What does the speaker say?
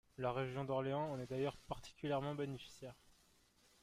La région d’Orléans en est d’ailleurs particulièrement bénéficiaire.